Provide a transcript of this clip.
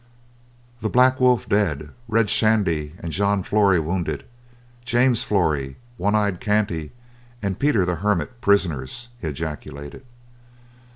"The Black Wolf dead, Red Shandy and John Flory wounded, James Flory, One Eye Kanty and Peter the Hermit prisoners!" he ejaculated.